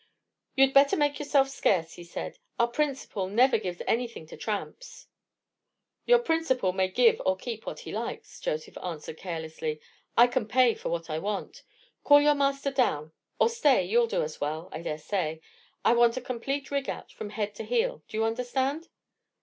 "You'd better make yourself scarce," he said; "our principal never gives anything to tramps." "Your principal may give or keep what he likes," Joseph answered, carelessly; "I can pay for what I want. Call your master down: or stay, you'll do as well, I dare say. I want a complete rig out from head to heel. Do you understand?"